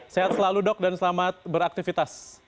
sehat selalu dok dan selamat beraktivitas